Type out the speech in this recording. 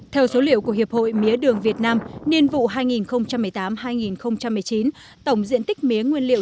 theo số liệu của hiệp hội mía đường việt nam niên vụ hai nghìn một mươi tám hai nghìn một mươi chín tổng diện tích mía nguyên liệu